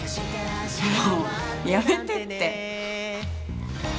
もうやめてって！